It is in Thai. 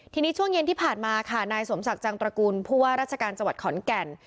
ทีนี้ช่วงเย็นที่ผ่านมาค่ะนายสมศักดิ์จังตระกูลผู้ว่าราชการจังหวัดขอนแก่น